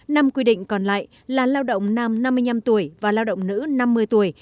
năm quy định còn lại là lao động nam năm mươi năm tuổi và lao động nữ năm mươi tuổi